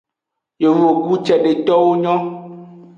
Yovogbu ce:detowo nyon.